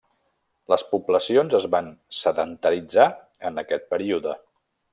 Les poblacions es van sedentaritzar en aquest període.